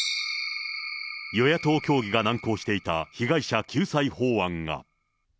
与野党協議が難航していた被害者救済法案が。